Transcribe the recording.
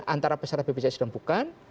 antara peserta bpjs dan bukan